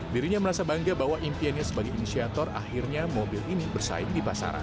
dirinya merasa bangga bahwa impiannya sebagai inisiator akhirnya mobil ini bersaing di pasaran